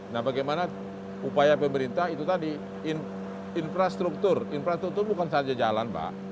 nah bagaimana upaya pemerintah itu tadi infrastruktur infrastruktur bukan saja jalan pak